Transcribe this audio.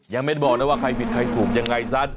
ยังไม่บอกนะว่าใครผิดใครถูกยังไงซะ